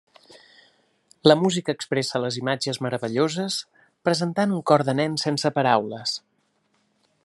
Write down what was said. La música expressa les imatges meravelloses presentant un cor de nens sense paraules.